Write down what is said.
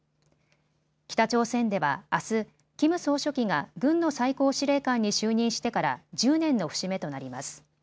北朝鮮ではあす、キム総書記が軍の最高司令官に就任してから１０年の節目となります。